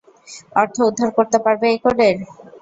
অর্থ উদ্ধার করতে পারবে এই কোডের?